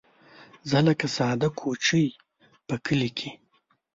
زه لکه ساده کوچۍ په کلي کې